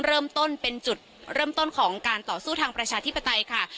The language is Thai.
เริ่มต้นเป็นจุดเริ่มต้นของการต่อสู้ทางประชาธิปไตยค่ะ